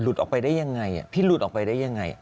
หลุดออกไปได้ยังไงพี่ถ่ายลวดออกไปได้ยังไง